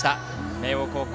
明桜高校